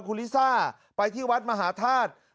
คุณลิซ่าไปที่วัดมหาธาตุ